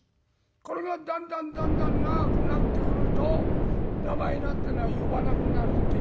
これがだんだんだんだん長くなってくると名前なんてのは呼ばなくなるっていいますな。